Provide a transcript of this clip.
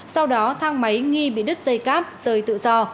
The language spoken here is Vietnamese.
sau đó thang máy nghi bị đứt dây cáp rơi tự do